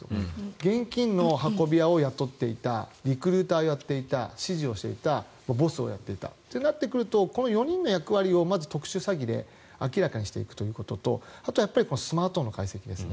現金の運び屋を雇っていたリクルーターをやっていた指示をしていたボスをやっていたとなってくるとこの４人の役割をまず特殊詐欺で明らかにしていくということとあとスマートフォンの解析ですね。